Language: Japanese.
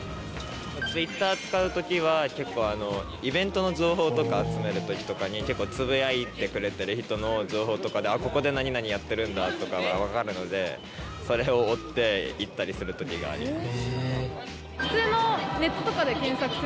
Ｔｗｉｔｔｅｒ使う時は結構あのイベントの情報とか集める時とかにつぶやいてくれてる人の情報とかで「ここで何々やってるんだ」とかがわかるのでそれを追って行ったりする時があります。